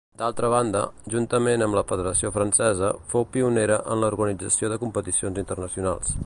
D'altra banda, juntament amb la federació francesa, fou pionera en l'organització de competicions internacionals.